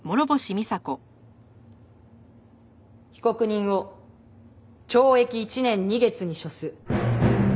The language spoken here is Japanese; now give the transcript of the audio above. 被告人を懲役１年２月に処す。